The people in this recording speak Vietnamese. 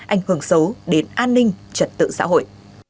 ảnh hưởng xấu đến an ninh trật tự xã hội